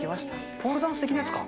ポールダンス的なやつか。